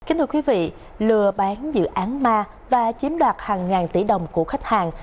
kính thưa quý vị lừa bán dự án ma và chiếm đoạt hàng ngàn tỷ đồng của khách hàng